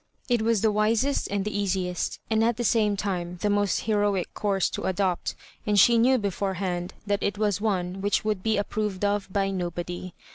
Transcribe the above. It was the wisest and the easiest, and at the same time the most heroic course to adopt, and she knew beforehand that it was one which would be approved of by nobody.